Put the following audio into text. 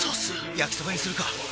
焼きそばにするか！